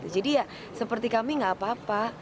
jadi ya seperti kami gak apa apa